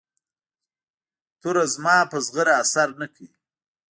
توره زما په زغره اثر نه کوي.